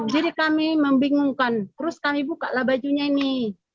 jadi kami membingungkan terus kami buka lah bajunya ini